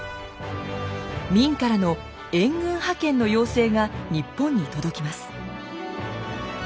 明からの援軍派遣の要請が日本に届きます。